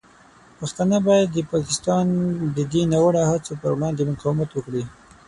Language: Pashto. پښتانه باید د پاکستان د دې ناوړه هڅو پر وړاندې مقاومت وکړي.